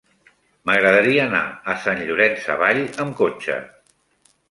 M'agradaria anar a Sant Llorenç Savall amb cotxe.